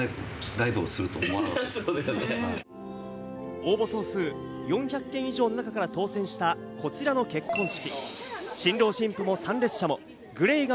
応募総数４００件以上の中から当選した、こちらの結婚式。